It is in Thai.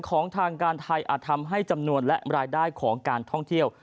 ของทางการไทยอาจทำให้จำนวนและรายได้ของการท่องเที่ยว